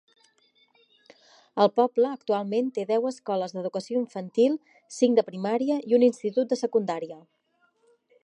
El poble actualment té deu escoles d'educació infantil, cinc de primària i un institut de secundària.